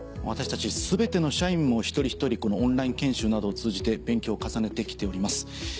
私たち全ての社員も一人一人このオンライン研修などを通じて勉強を重ねて来ております。